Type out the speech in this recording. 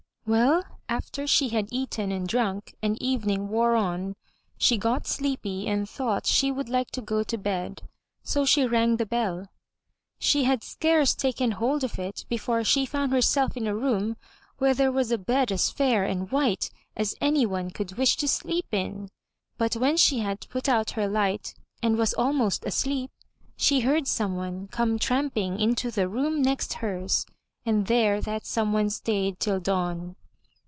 Well, after she had eaten and drunk, and evening wore on, 400 THROUGH FAIRY HALLS she got sleepy and thought she would like to go to bed, so she rang the bell. She had scarce taken hold of it before she found herself in a room where there was a bed as fair and white as any one could wish to sleep in. But when she had put out her light and was almost asleep, she heard someone come tramping into the room next hers, and there that someone stayed till dawn.